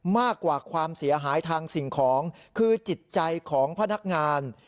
มากกว่าความเสียหายทางสิ่งของคือจิตใจของพนักงาน